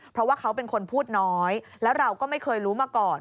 เพราะว่าเขาเป็นคนพูดน้อยแล้วเราก็ไม่เคยรู้มาก่อน